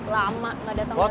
lama gak dateng dateng